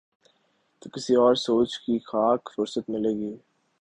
تو کسی اور سوچ کی خاک فرصت ملے گی۔